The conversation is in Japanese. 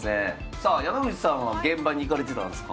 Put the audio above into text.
さあ山口さんは現場に行かれてたんすか？